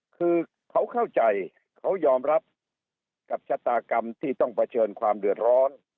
คือเขาเข้าใจเขายอมรับกับชะตากรรมที่ต้องเผชิญความเดือดร้อน